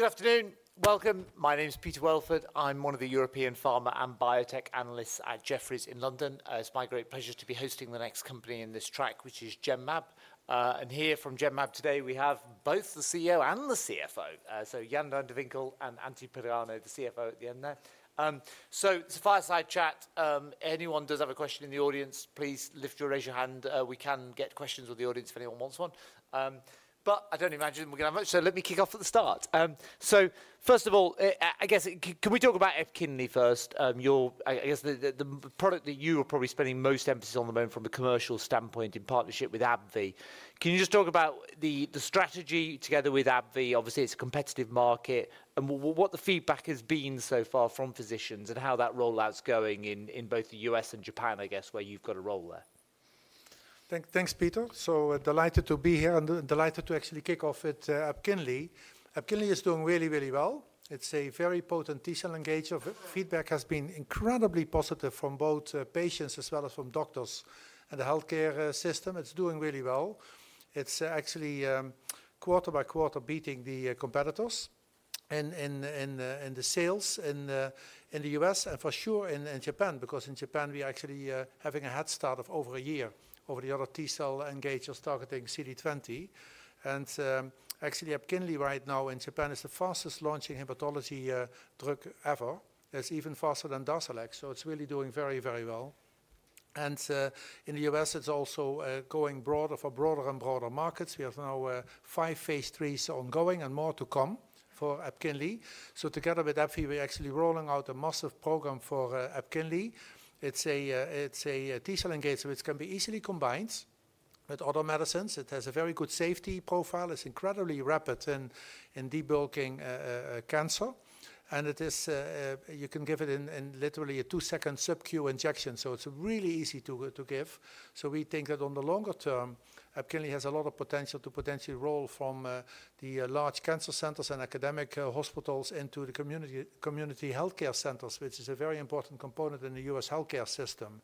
Good afternoon. Welcome. My name's Peter Welford. I'm one of the European Pharma and Biotech Analysts at Jefferies in London. It's my great pleasure to be hosting the next company in this track, which is Genmab, and here from Genmab today, we have both the CEO and the CFO, so Jan Van de Winkel and Anthony Pagano, the CFO at the end there, so it's a fireside chat. If anyone does have a question in the audience, please raise your hand. We can get questions from the audience if anyone wants one. But I don't imagine we're going to have much, so let me kick off at the start, so first of all, I guess, can we talk about Epkinly first? I guess the product that you are probably spending most emphasis on at the moment from a commercial standpoint in partnership with AbbVie. Can you just talk about the strategy together with AbbVie? Obviously, it's a competitive market, and what the feedback has been so far from physicians and how that rollout's going in both the U.S. and Japan, I guess, where you've got a role there? Thanks, Peter. So delighted to be here and delighted to actually kick off with Epkinly. Epkinly is doing really, really well. It's a very potent T-cell engager. Feedback has been incredibly positive from both patients as well as from doctors and the healthcare system. It's doing really well. It's actually quarter by quarter beating the competitors in the sales in the U.S. and for sure in Japan, because in Japan, we are actually having a head start of over a year over the other T-cell engagers targeting CD20. And actually, Epkinly right now in Japan is the fastest launching hematology drug ever. It's even faster than Darzalex. So it's really doing very, very well. And in the U.S., it's also going broader for broader and broader markets. We have now five phase IIIs ongoing and more to come for Epkinly. Together with AbbVie, we're actually rolling out a massive program for Epkinly. It's a T-cell engager which can be easily combined with other medicines. It has a very good safety profile. It's incredibly rapid in debulking cancer. You can give it in literally a two-second sub-Q injection. It's really easy to give. We think that on the longer term, Epkinly has a lot of potential to potentially roll from the large cancer centers and academic hospitals into the community healthcare centers, which is a very important component in the U.S. healthcare system.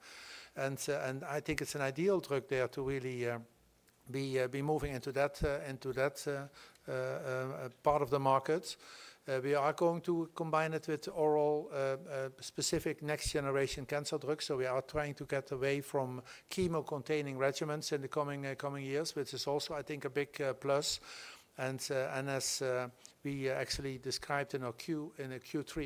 I think it's an ideal drug there to really be moving into that part of the market. We are going to combine it with oral specific next-generation cancer drugs. We are trying to get away from chemo-containing regimens in the coming years, which is also, I think, a big plus. As we actually described in a Q3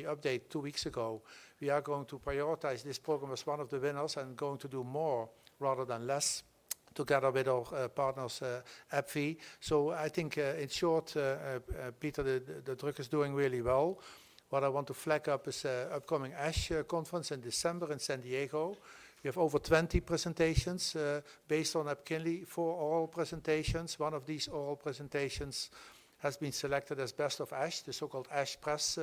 update two weeks ago, we are going to prioritize this program as one of the winners and going to do more rather than less together with our partners, AbbVie. I think in short, Peter, the drug is doing really well. What I want to flag up is the upcoming ASH conference in December in San Diego. We have over 20 presentations based on Epkinly for oral presentations. One of these oral presentations has been selected as best of ASH, the so-called ASH press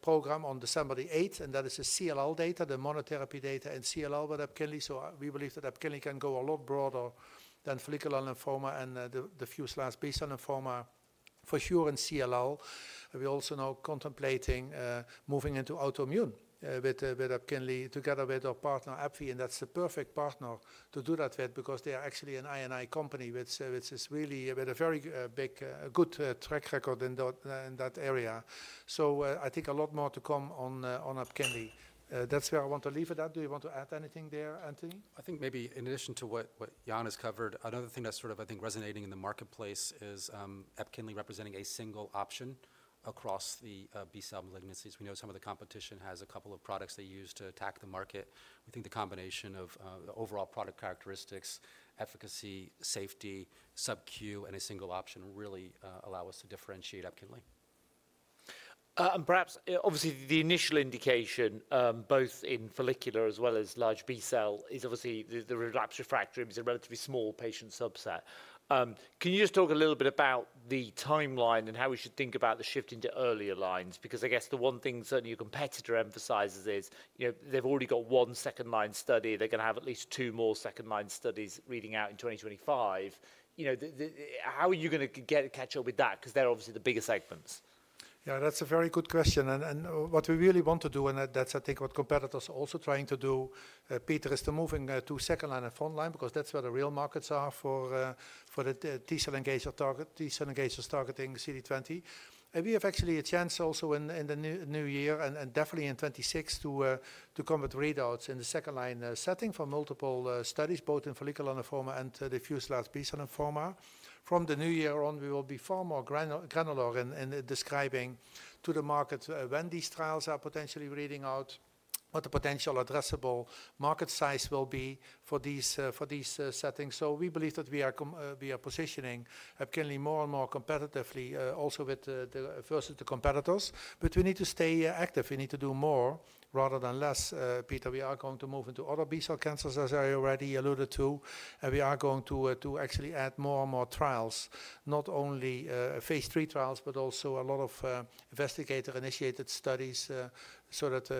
program on December 8th. That is the CLL data, the monotherapy data in CLL with Epkinly. We believe that Epkinly can go a lot broader than follicular lymphoma and diffuse large B-cell lymphoma, for sure in CLL. We also now contemplating moving into autoimmune with Epkinly together with our partner, AbbVie. And that's the perfect partner to do that with because they are actually an I&I company which is really with a very big good track record in that area. So I think a lot more to come on Epkinly. That's where I want to leave it at. Do you want to add anything there, Anthony? I think maybe in addition to what Jan has covered, another thing that's sort of, I think, resonating in the marketplace is Epkinly representing a single option across the B-cell malignancies. We know some of the competition has a couple of products they use to attack the market. We think the combination of overall product characteristics, efficacy, safety, sub-Q, and a single option really allow us to differentiate Epkinly. And perhaps, obviously, the initial indication both in follicular as well as large B-cell is obviously the relapse refractory is a relatively small patient subset. Can you just talk a little bit about the timeline and how we should think about the shift into earlier lines? Because I guess the one thing certainly your competitor emphasizes is they've already got one second-line study. They're going to have at least two more second-line studies reading out in 2025. How are you going to catch up with that? Because they're obviously the bigger segments. Yeah, that's a very good question. And what we really want to do, and that's, I think, what competitors are also trying to do, Peter, is to move into second-line and front-line because that's where the real markets are for the T-cell engagers targeting CD20. And we have actually a chance also in the new year and definitely in 2026 to come with readouts in the second-line setting for multiple studies, both in follicular lymphoma and diffuse large B-cell lymphoma. From the new year on, we will be far more granular in describing to the market when these trials are potentially reading out, what the potential addressable market size will be for these settings. So we believe that we are positioning Epkinly more and more competitively also with the first of the competitors. But we need to stay active. We need to do more rather than less. Peter, we are going to move into other B-cell cancers, as I already alluded to. And we are going to actually add more and more trials, not only phase III trials, but also a lot of investigator-initiated studies so that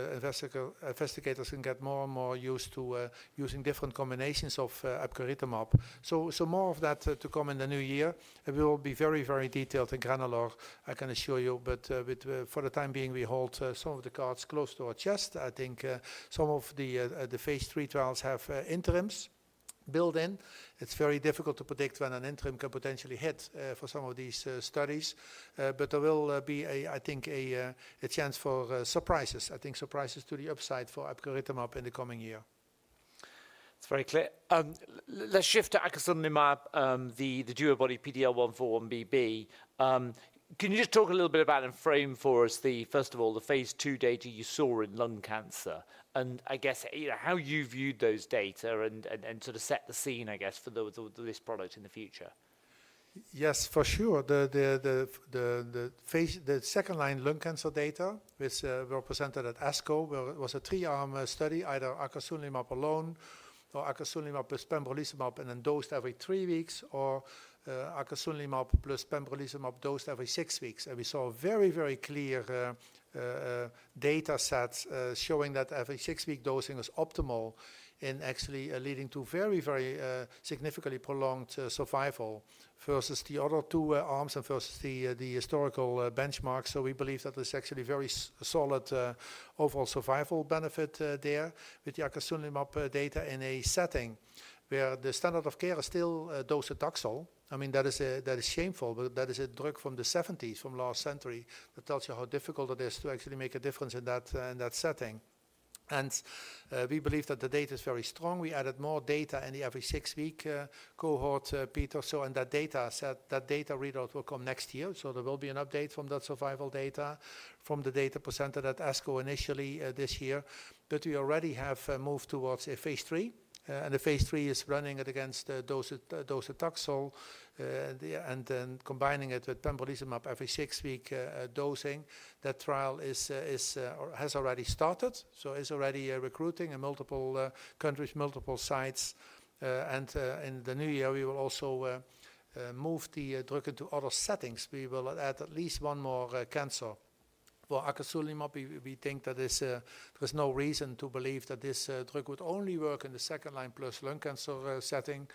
investigators can get more and more used to using different combinations of epcoritamab. So more of that to come in the new year. And we will be very, very detailed and granular, I can assure you. But for the time being, we hold some of the cards close to our chest. I think some of the phase III trials have interims built in. It's very difficult to predict when an interim can potentially hit for some of these studies. But there will be, I think, a chance for surprises. I think surprises to the upside for epcoritamab in the coming year. That's very clear. Let's shift to acasunlimab, the DuoBody-PD-L1x4-1BB. Can you just talk a little bit about and frame for us, first of all, the phase II data you saw in lung cancer and I guess how you viewed those data and sort of set the scene, I guess, for this product in the future? Yes, for sure. The second-line lung cancer data was presented at ASCO. It was a three-arm study, either acasunlimab alone or acasunlimab plus pembrolizumab, and then dosed every three weeks, or acasunlimab plus pembrolizumab dosed every six weeks. And we saw very, very clear data sets showing that every six-week dosing was optimal and actually leading to very, very significantly prolonged survival versus the other two arms and versus the historical benchmarks. So we believe that there's actually very solid overall survival benefit there with the acasunlimab data in a setting where the standard of care is still docetaxel. I mean, that is shameful, but that is a drug from the 1970s from last century that tells you how difficult it is to actually make a difference in that setting. And we believe that the data is very strong. We added more data in the every six-week cohort, Peter. So that data readout will come next year. So there will be an update from that survival data from the data presented at ASCO initially this year. But we already have moved towards a phase III. And the phase III is running it against docetaxel and then combining it with pembrolizumab every six-week dosing. That trial has already started. So it's already recruiting in multiple countries, multiple sites. And in the new year, we will also move the drug into other settings. We will add at least one more cancer. For acasunlimab, we think that there's no reason to believe that this drug would only work in the second-line plus lung cancer setting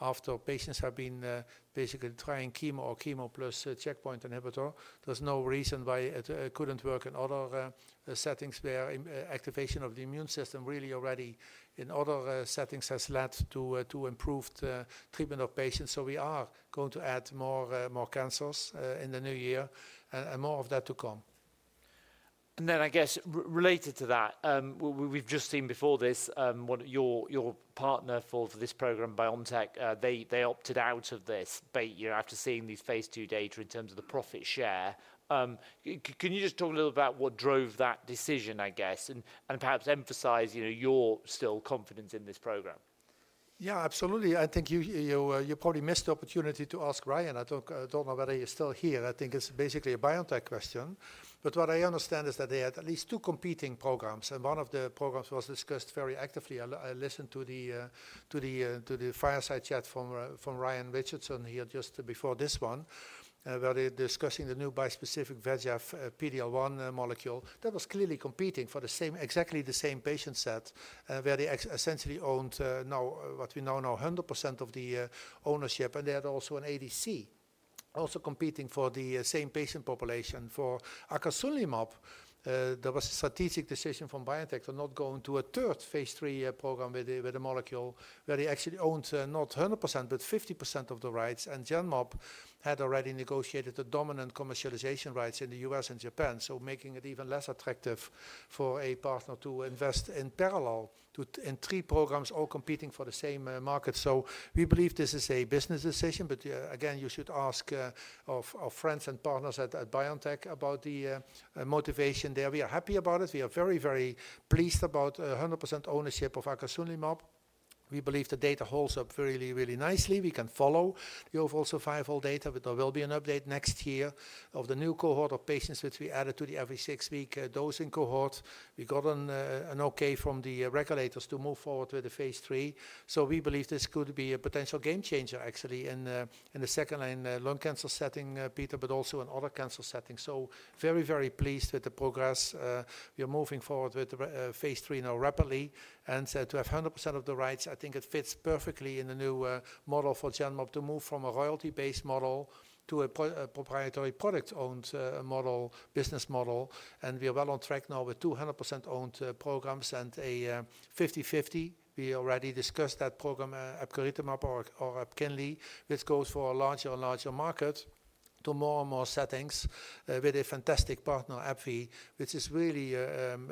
after patients have been basically trying chemo or chemo plus checkpoint inhibitor. There's no reason why it couldn't work in other settings where activation of the immune system really already in other settings has led to improved treatment of patients. So we are going to add more cancers in the new year and more of that to come. And then I guess related to that, we've just seen before this, your partner for this program, BioNTech, they opted out of this deal after seeing the phase II data in terms of the profit share. Can you just talk a little about what drove that decision, I guess, and perhaps emphasize your continued confidence in this program? Yeah, absolutely. I think you probably missed the opportunity to ask Ryan. I don't know whether he's still here. I think it's basically a BioNTech question. But what I understand is that they had at least two competing programs. One of the programs was discussed very actively. I listened to the fireside chat from Ryan Richardson here just before this one where they're discussing the new bispecific VEGF PD-L1 molecule that was clearly competing for the same, exactly the same patient set where they essentially owned now what we now know 100% of the ownership. They had also an ADC also competing for the same patient population. For acasunlimab, there was a strategic decision from BioNTech to not go into a third phase III program with the molecule where they actually owned not 100%, but 50% of the rights. And Genmab had already negotiated the dominant commercialization rights in the U.S. and Japan, so making it even less attractive for a partner to invest in parallel in three programs all competing for the same market. So we believe this is a business decision. But again, you should ask our friends and partners at BioNTech about the motivation there. We are happy about it. We are very, very pleased about 100% ownership of acasunlimab. We believe the data holds up really, really nicely. We can follow the overall survival data, but there will be an update next year of the new cohort of patients which we added to the every six-week dosing cohort. We got an okay from the regulators to move forward with the phase III. We believe this could be a potential game changer, actually, in the second-line lung cancer setting, Peter, but also in other cancer settings. Very, very pleased with the progress. We are moving forward with phase III now rapidly. To have 100% of the rights, I think it fits perfectly in the new model for Genmab to move from a royalty-based model to a proprietary product-owned business model. We are well on track now with 200% owned programs and a 50/50. We already discussed that program, epcoritamab or Epkinly, which goes for a larger and larger market to more and more settings with a fantastic partner, AbbVie, which is really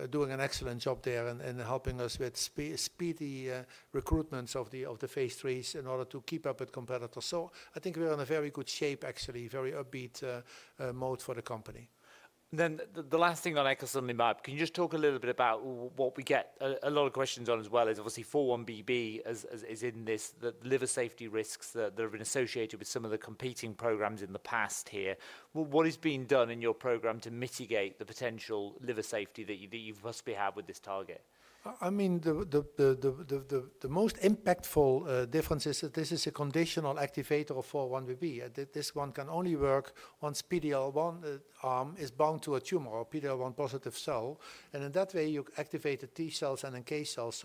doing an excellent job there and helping us with speedy recruitments of the phase IIIs in order to keep up with competitors. I think we're in a very good shape, actually, very upbeat mode for the company. Then the last thing on acasunlimab, can you just talk a little bit about what we get a lot of questions on as well is obviously 4-1BB is in this, the liver safety risks that have been associated with some of the competing programs in the past here. What is being done in your program to mitigate the potential liver safety that you've possibly had with this target? I mean, the most impactful difference is that this is a conditional activator of 4-1BB. This one can only work once PD-L1 arm is bound to a tumor or PD-L1 positive cell. In that way, you activate the T-cells and engage cells.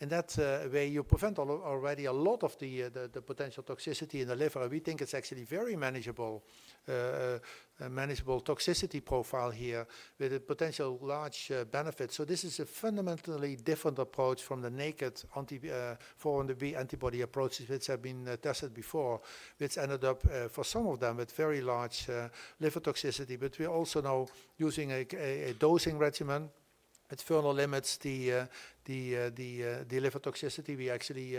In that way, you prevent already a lot of the potential toxicity in the liver. We think it's actually very manageable toxicity profile here with a potential large benefit. This is a fundamentally different approach from the naked 4-1BB antibody approaches which have been tested before, which ended up for some of them with very large liver toxicity. We also now using a dosing regimen that further limits the liver toxicity. We actually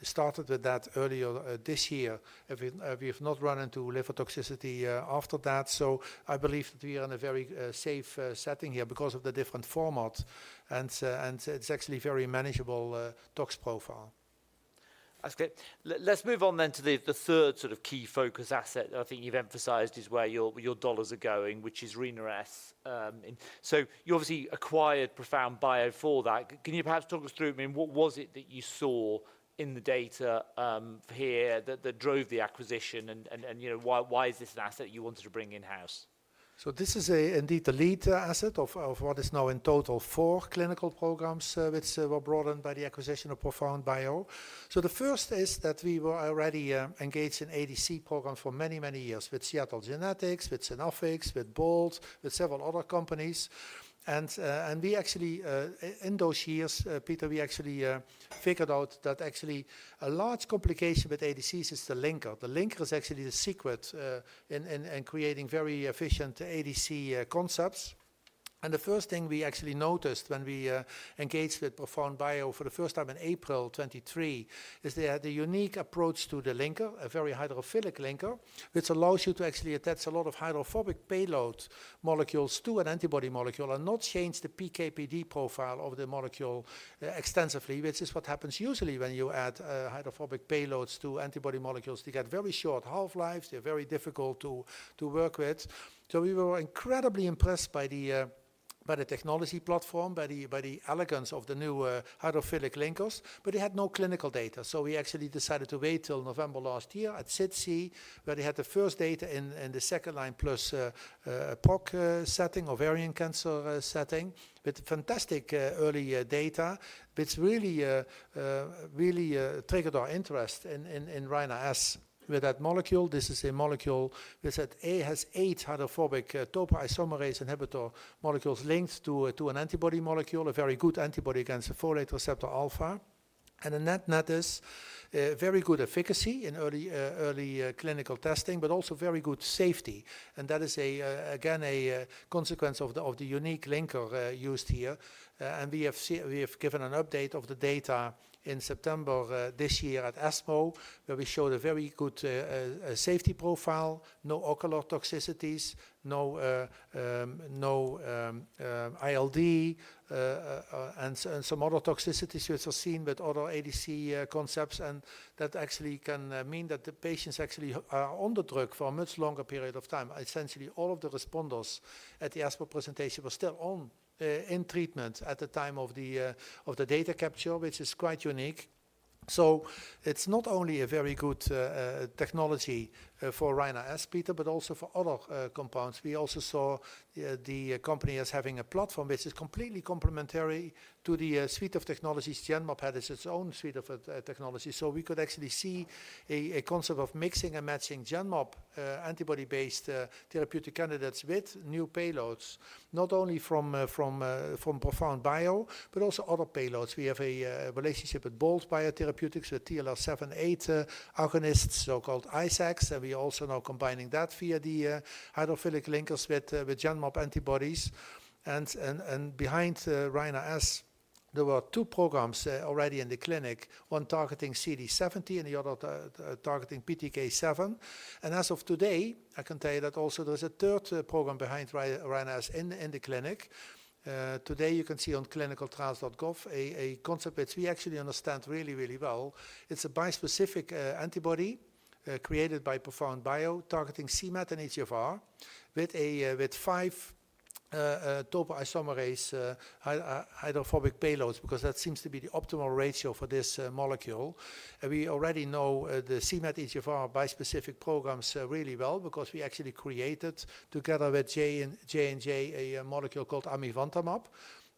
started with that earlier this year. We have not run into liver toxicity after that. So I believe that we are in a very safe setting here because of the different formats. And it's actually a very manageable tox profile. That's good. Let's move on then to the third sort of key focus asset that I think you've emphasized is where your dollars are going, which is Rina-S. So you obviously acquired ProfoundBio for that. Can you perhaps talk us through, I mean, what was it that you saw in the data here that drove the acquisition and why is this an asset you wanted to bring in-house? This is indeed the lead asset of what is now in total four clinical programs which were brought on by the acquisition of ProfoundBio. So the first is that we were already engaged in ADC programs for many, many years with Seattle Genetics, with Synaffix, with Bolt, with several other companies. And we actually, in those years, Peter, we actually figured out that actually a large complication with ADCs is the linker. The linker is actually the secret in creating very efficient ADC concepts. The first thing we actually noticed when we engaged with ProfoundBio for the first time in April 2023 is they had a unique approach to the linker, a very hydrophilic linker, which allows you to actually attach a lot of hydrophobic payload molecules to an antibody molecule and not change the PK/PD profile of the molecule extensively, which is what happens usually when you add hydrophobic payloads to antibody molecules. They get very short half-lives. They're very difficult to work with. So we were incredibly impressed by the technology platform, by the elegance of the new hydrophilic linkers. But they had no clinical data. So we actually decided to wait till November last year at SITC where they had the first data in the second-line plus POC setting or ovarian cancer setting with fantastic early data. It's really triggered our interest in Rina-S with that molecule. This is a molecule that has eight hydrophobic topoisomerase inhibitor molecules linked to an antibody molecule, a very good antibody against the folate receptor alpha. And in that, it's very good efficacy in early clinical testing, but also very good safety. And that is, again, a consequence of the unique linker used here. And we have given an update of the data in September this year at ESMO, where we showed a very good safety profile, no ocular toxicities, no ILD, and some other toxicities which are seen with other ADC concepts. And that actually can mean that the patients actually are on the drug for a much longer period of time. Essentially, all of the responders at the ESMO presentation were still on treatment at the time of the data capture, which is quite unique. So it's not only a very good technology for Rina-S, Peter, but also for other compounds. We also saw the company as having a platform which is completely complementary to the suite of technologies Genmab had as its own suite of technologies. So we could actually see a concept of mixing and matching Genmab antibody-based therapeutic candidates with new payloads, not only from ProfoundBio, but also other payloads. We have a relationship with Bolt Biotherapeutics with TLR7/8 agonists, so-called ISACs. And we are also now combining that via the hydrophilic linkers with Genmab antibodies. And behind Rina-S, there were two programs already in the clinic, one targeting CD70 and the other targeting PTK7. And as of today, I can tell you that also there's a third program behind Rina-S in the clinic. Today, you can see on clinicaltrials.gov a concept which we actually understand really, really well. It's a bispecific antibody created by ProfoundBio targeting c-MET and EGFR with five topoisomerase hydrophobic payloads because that seems to be the optimal ratio for this molecule, and we already know the c-MET EGFR bispecific programs really well because we actually created together with J&J a molecule called amivantamab,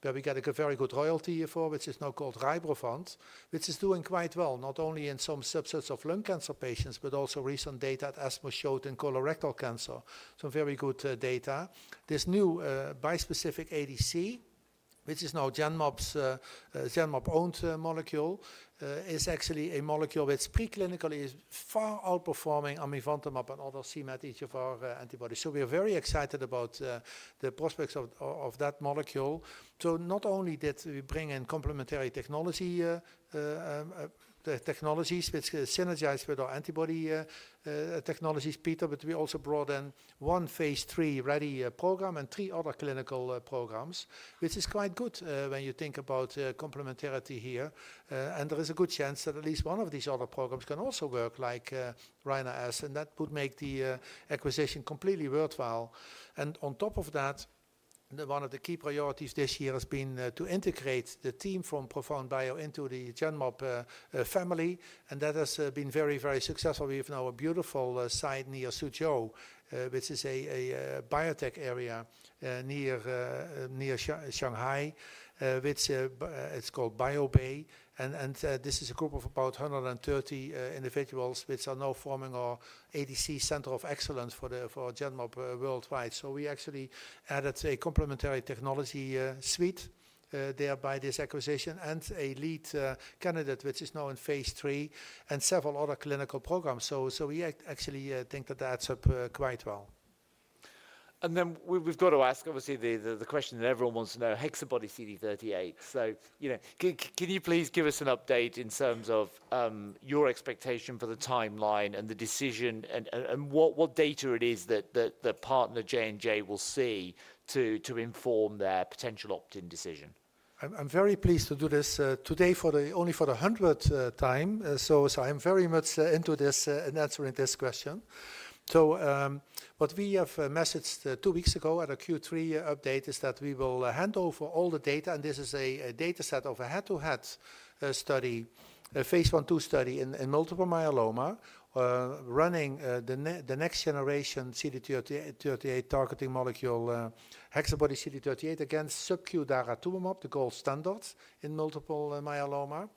where we got a very good royalty for, which is now called Rybrevant, which is doing quite well, not only in some subsets of lung cancer patients, but also recent data at ESMO showed in colorectal cancer, so very good data. This new bispecific ADC, which is now Genmab's owned molecule, is actually a molecule which preclinically is far outperforming amivantamab and other c-MET EGFR antibodies, so we are very excited about the prospects of that molecule. Not only did we bring in complementary technologies which synergize with our antibody technologies, Peter, but we also brought in one phase III ready program and three other clinical programs, which is quite good when you think about complementarity here. And there is a good chance that at least one of these other programs can also work like Rina-S. And that would make the acquisition completely worthwhile. And on top of that, one of the key priorities this year has been to integrate the team from ProfoundBio into the Genmab family. And that has been very, very successful. We have now a beautiful site near Suzhou, which is a biotech area near Shanghai, which is called BioBAY. And this is a group of about 130 individuals which are now forming our ADC center of excellence for Genmab worldwide. So we actually added a complementary technology suite there by this acquisition and a lead candidate which is now in phase III and several other clinical programs. So we actually think that that's quite well. And then we've got to ask, obviously, the question that everyone wants to know, HexaBody-CD38. So can you please give us an update in terms of your expectation for the timeline and the decision and what data it is that the partner J&J will see to inform their potential opt-in decision? I'm very pleased to do this today only for the 100th time. So I'm very much into this and answering this question. So what we have messaged two weeks ago at a Q3 update is that we will hand over all the data. And this is a dataset of a head-to-head study, a phase I/II study in multiple myeloma running the next generation CD38 targeting molecule, HexaBody-CD38 against sub-Q daratumumab, the gold standard in multiple myeloma.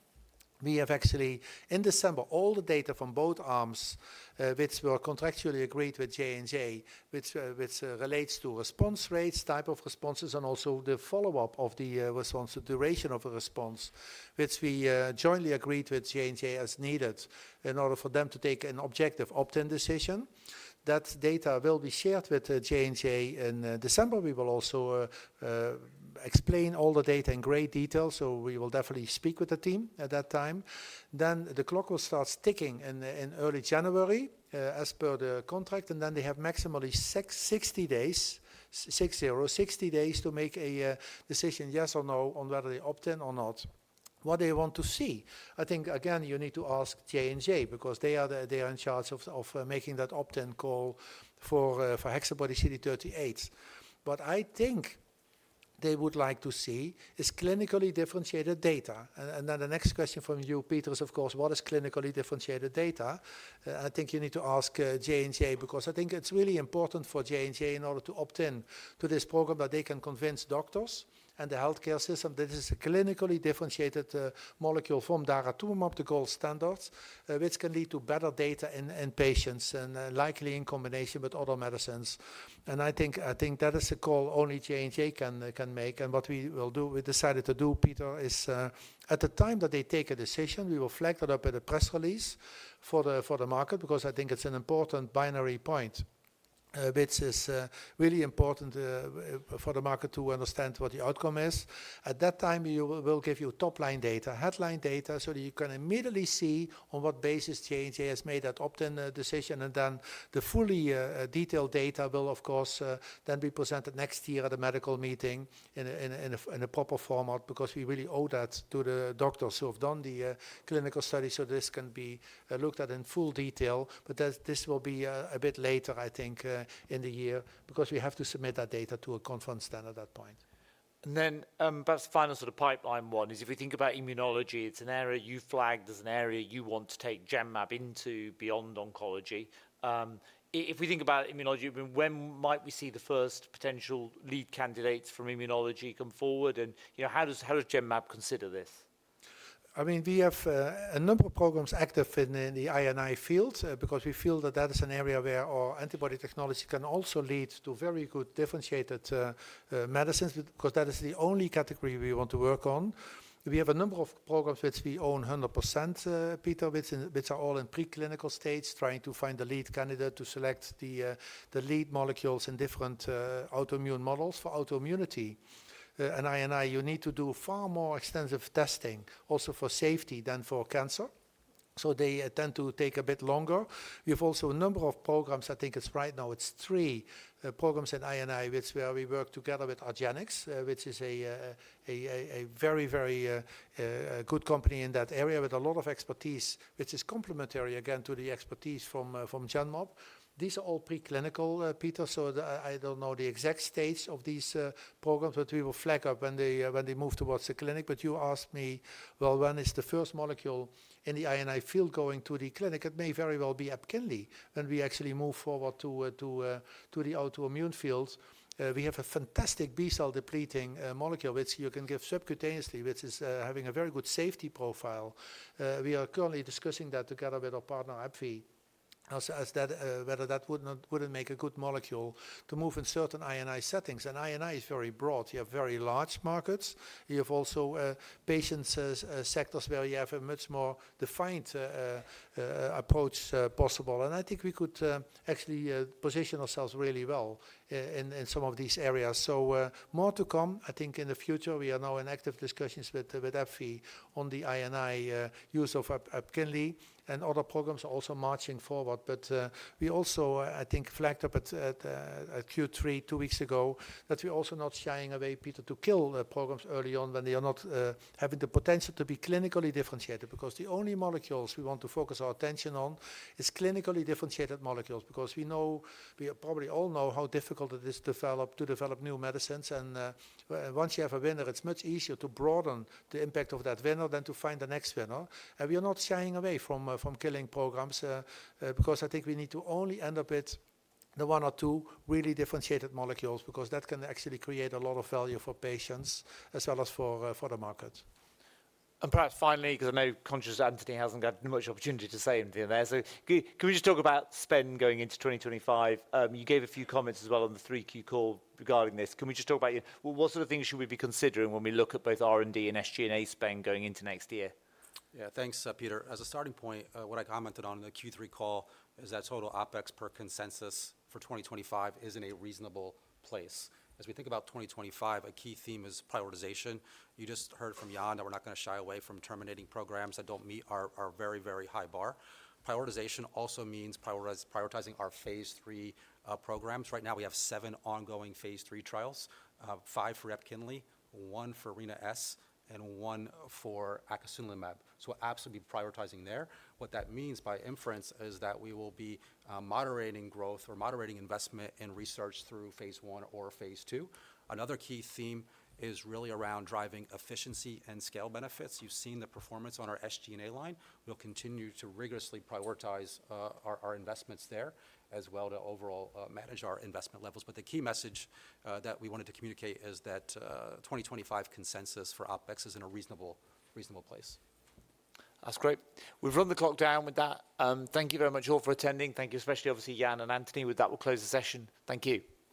We have actually in December all the data from both arms which were contractually agreed with J&J, which relates to response rates, type of responses, and also the follow-up of the response, the duration of the response, which we jointly agreed with J&J as needed in order for them to take an objective opt-in decision. That data will be shared with J&J in December. We will also explain all the data in great detail, so we will definitely speak with the team at that time, then the clock will start ticking in early January as per the contract, and then they have maximally 60 days to make a decision yes or no on whether they opt in or not, what they want to see. I think, again, you need to ask J&J because they are in charge of making that opt-in call for HexaBody-CD38. What I think they would like to see is clinically differentiated data, and then the next question from you, Peter, is, of course, what is clinically differentiated data? I think you need to ask J&J because I think it's really important for J&J in order to opt in to this program that they can convince doctors and the healthcare system that this is a clinically differentiated molecule from daratumumab, the gold standards, which can lead to better data in patients and likely in combination with other medicines, and I think that is a call only J&J can make, and what we will do, we decided to do, Peter, is at the time that they take a decision, we will flag that up at a press release for the market because I think it's an important binary point, which is really important for the market to understand what the outcome is. At that time, we will give you top-line data, headline data, so that you can immediately see on what basis J&J has made that opt-in decision. And then the fully detailed data will, of course, then be presented next year at a medical meeting in a proper format because we really owe that to the doctors who have done the clinical study so this can be looked at in full detail. But this will be a bit later, I think, in the year because we have to submit that data to a conference then at that point. And then perhaps the final sort of pipeline one is if we think about immunology. It's an area you flagged as an area you want to take Genmab into beyond oncology. If we think about immunology, when might we see the first potential lead candidates from immunology come forward? And how does Genmab consider this? I mean, we have a number of programs active in the I&I field because we feel that that is an area where our antibody technology can also lead to very good differentiated medicines because that is the only category we want to work on. We have a number of programs which we own 100%, Peter, which are all in preclinical stage trying to find a lead candidate to select the lead molecules in different autoimmune models for autoimmunity. In I&I, you need to do far more extensive testing also for safety than for cancer. So they tend to take a bit longer. We have also a number of programs. I think it's right now, it's three programs in I&I where we work together with Argenyx, which is a very, very good company in that area with a lot of expertise, which is complementary, again, to the expertise from Genmab. These are all preclinical, Peter. So I don't know the exact stage of these programs, but we will flag up when they move towards the clinic. But you asked me, well, when is the first molecule in the I&I field going to the clinic? It may very well be Epkinly when we actually move forward to the autoimmune fields. We have a fantastic B-cell depleting molecule which you can give subcutaneously, which is having a very good safety profile. We are currently discussing that together with our partner AbbVie as to whether that wouldn't make a good molecule to move in certain I&I settings. And I&I is very broad. You have very large markets. You have also patients' sectors where you have a much more defined approach possible. And I think we could actually position ourselves really well in some of these areas. So more to come. I think in the future, we are now in active discussions with AbbVie on the I&I use of Epkinly and other programs also marching forward. But we also, I think, flagged up at Q3 two weeks ago that we're also not shying away, Peter, to kill programs early on when they are not having the potential to be clinically differentiated because the only molecules we want to focus our attention on is clinically differentiated molecules because we know, we probably all know how difficult it is to develop new medicines. And once you have a winner, it's much easier to broaden the impact of that winner than to find the next winner. We are not shying away from killing programs because I think we need to only end up with the one or two really differentiated molecules because that can actually create a lot of value for patients as well as for the market. And perhaps finally, because I know Anthony hasn't got much opportunity to say anything there, so can we just talk about spend going into 2025? You gave a few comments as well on the 3Q call regarding this. Can we just talk about what sort of things should we be considering when we look at both R&D and SG&A spend going into next year? Yeah, thanks, Peter. As a starting point, what I commented on in the Q3 call is that total OpEx per consensus for 2025 is in a reasonable place. As we think about 2025, a key theme is prioritization. You just heard from Jan that we're not going to shy away from terminating programs that don't meet our very, very high bar. Prioritization also means prioritizing our phase III programs. Right now, we have seven ongoing phase III trials, five for Epkinly, one for Rina-S, and one for acasunlimab. So we're absolutely prioritizing there. What that means by inference is that we will be moderating growth or moderating investment in research through phase I or phase II. Another key theme is really around driving efficiency and scale benefits. You've seen the performance on our SG&A line. We'll continue to rigorously prioritize our investments there as well to overall manage our investment levels. But the key message that we wanted to communicate is that 2025 consensus for OpEx is in a reasonable place. That's great. We've run the clock down with that. Thank you very much all for attending. Thank you especially, obviously, Jan and Anthony. With that, we'll close the session. Thank you.